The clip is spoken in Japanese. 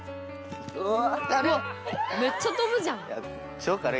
めっちゃ跳ぶじゃん。